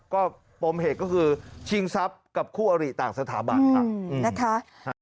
ก็ปมเหตุก็คือชิงทรัพย์กับคู่อริต่างสถาบันครับนะคะ